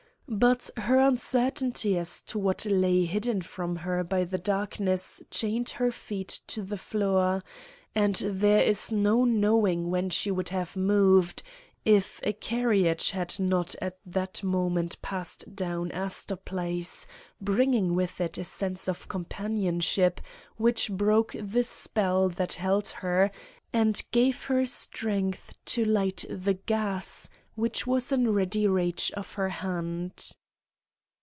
But her uncertainty as to what lay hidden from her by the darkness chained her feet to the floor, and there is no knowing when she would have moved, if a carriage had not at that moment passed down Astor Place, bringing with it a sense of companionship which broke the spell that held her, and gave her strength to light the gas, which was in ready reach of her hand.